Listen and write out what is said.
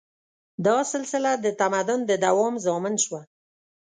دا سلسله د تمدن د دوام ضامن شوه.